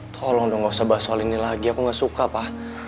tolong dong gak usah bahas soal ini lagi aku gak suka pak